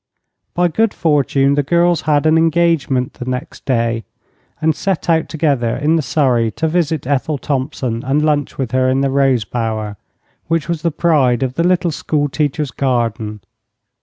By good fortune the girls had an engagement the next day, and set out together in the surrey to visit Ethel Thompson and lunch with her in the rose bower, which was the pride of the little school teacher's garden.